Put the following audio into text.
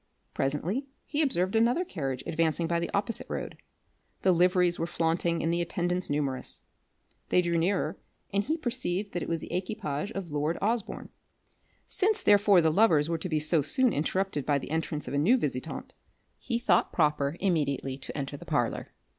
Presently he observed another carriage advancing by the opposite road. The liveries were flaunting and the attendants numerous. They drew nearer, and he perceived that it was the equipage of lord Osborne. Since therefore the lovers were to be so soon interrupted by the entrance of a new visitant, he thought proper immediately to enter the parlour.